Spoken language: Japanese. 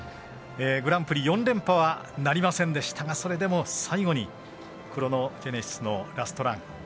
グランプリ４連覇はなりませんでしたがそれでも、最後にクロノジェネシスのラストラン。